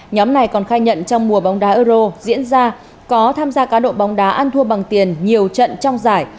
nhóm này còn khai nhận trong mùa bóng đá euro diễn ra có tham gia cá độ bóng đá ăn thua bằng tiền nhiều trận trong giải